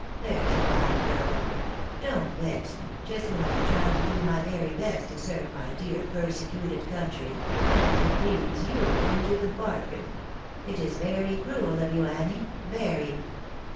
There's a fine girl ! Don't vex me, just when I am trying to do my very best to serve my dear perse cuted country, and to please you into the bargain ! It is very cruel of you, Annie,' very."